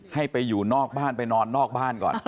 ให้ไปอยู่นอกบ้านไปนอนนอกบ้านก่อน